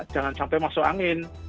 jangan sampai masuk angin